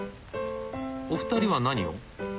お二人は何を？